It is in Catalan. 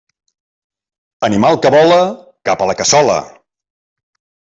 Animal que vola, cap a la cassola.